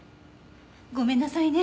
ごめんなさいね